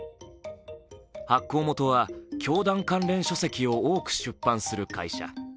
発行元は教団関連書籍を多く出版する会社。